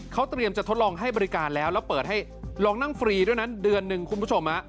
เขาเตรียมจะทดลองให้บริการแล้วแล้วเปิดให้ลองนั่งฟรีด้วยนั้นเดือนหนึ่งคุณผู้ชม